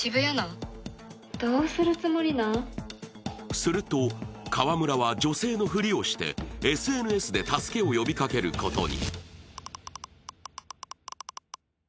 すると、川村は、女性のふりをしてＳＮＳで助けを呼びかけることに。